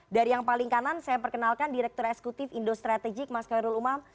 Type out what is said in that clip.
dari yang paling kanan saya perkenalkan direktur eksekutif indo strategik mas khairul umam